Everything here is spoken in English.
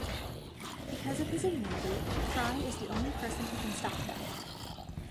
Because of his immunity, Fry is the only person who can stop them.